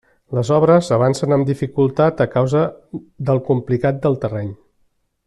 Les obres avancen amb dificultat, a causa del complicat del terreny.